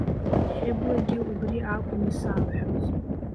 Хьыблагьы убри акәын исалҳәоз.